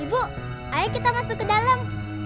ibu ayo kita masuk ke dalam